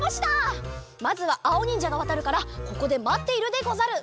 まずはあおにんじゃがわたるからここでまっているでござる。